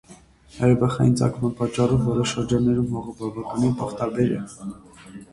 Հրաբխային ծագման պատճառով որոշ շրջաններում հողը բավականին պտղաբեր է։